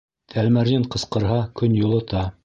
Тәлмәрйен ҡысҡырһа, көн йылыта.